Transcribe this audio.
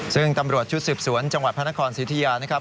ซึ่งตำรวจชุดสืบสวนจังหวัดพระนครสิทธิยานะครับ